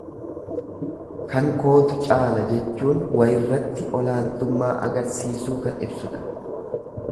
Kan kootu caala jechuun wayirratti olaantummaa agarsiisuu kan ibsudha.